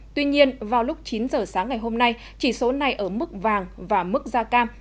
tuy nhiên vào lúc chín giờ sáng ngày hôm nay chỉ số này ở mức vàng và mức da cam